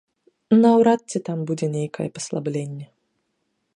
Наўрад ці там будзе нейкае паслабленне.